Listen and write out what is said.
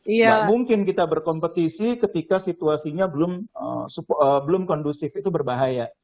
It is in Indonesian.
tidak mungkin kita berkompetisi ketika situasinya belum kondusif itu berbahaya